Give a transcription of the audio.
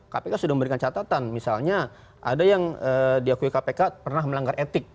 kpk sudah memberikan catatan misalnya ada yang diakui kpk pernah melanggar etik